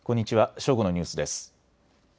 正午のニュースです。